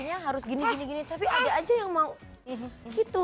kayaknya harus gini gini tapi ada aja yang mau gitu